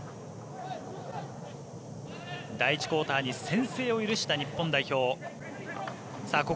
第１クオーターに先制を許した日本代表。